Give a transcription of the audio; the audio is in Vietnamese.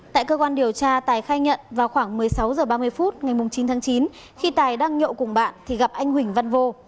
tại cơ quan điều tra tài khai nhận vào khoảng một mươi sáu h ba mươi phút ngày chín tháng chín khi tài đang nhậu cùng bạn thì gặp anh huỳnh văn vô